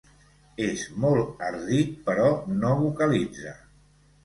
És molt ardit però no vocalitza.